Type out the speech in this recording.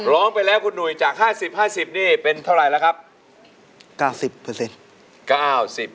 ร้องไปแล้วคุณหนุ่ยจาก๕๐๕๐นี่เป็นเท่าไหร่แล้วครับ